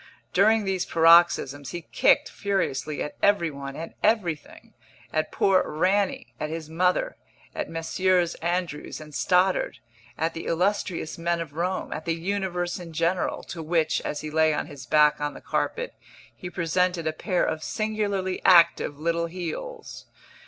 During these paroxysms he kicked furiously at every one and everything at poor "Rannie," at his mother, at Messrs. Andrews and Stoddard, at the illustrious men of Rome, at the universe in general, to which, as he lay on his back on the carpet, he presented a pair of singularly active little heels.